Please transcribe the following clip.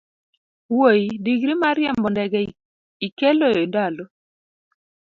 wuoyi digri mar riembo ndege ikelo e ndalo?